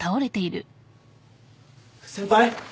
先輩？